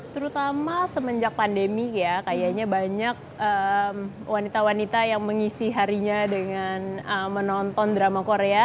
terutama semenjak pandemi ya kayaknya banyak wanita wanita yang mengisi harinya dengan menonton drama korea